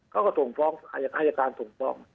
เขาก็ส่งฟ้องอายการส่งฟ้อง